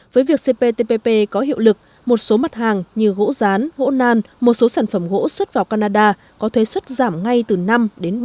với việc cptpp có hiệu lực một số mặt hàng như gỗ rán gỗ nan một số sản phẩm gỗ xuất vào canada có thuế xuất giảm ngay từ năm đến bảy mươi